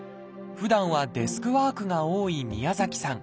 ふだんはデスクワークが多い宮崎さん。